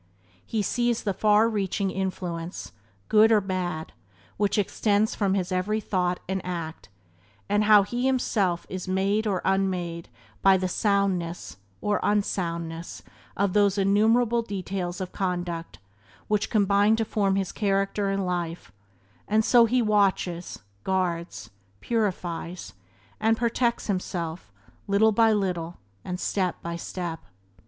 He sees the far reaching influence, good or bad, which extends from his every thought and act, and how he himself is made or unmade by the soundness or unsoundness of those innumerable details of conduct which combine to form his character and life, and so he watches, guards, purifies, and perfects himself little by little and step by step.